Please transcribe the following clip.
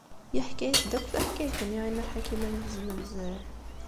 Yeḥka-as-d akk taḥkayt-nni i Nna Ḥakima n At Zmenzer.